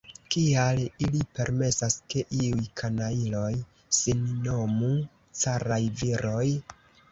Kial ili permesas, ke iuj kanajloj sin nomu caraj viroj?